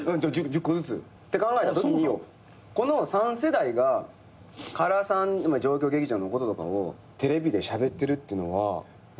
１０個ずつって考えたときによこの３世代が唐さん状況劇場のこととかをテレビでしゃべってるってのは残したいなと思うよね。